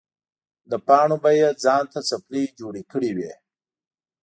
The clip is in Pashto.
له پاڼو به یې ځان ته څپلۍ جوړې کړې وې.